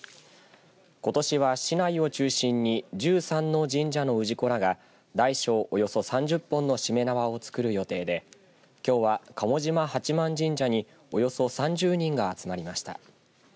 ことしは市内を中心に１３の神社の氏子らが大小およそ３０本のしめ縄を作る予定できょうは鴨島八幡神社におよそ３０人が集まりました。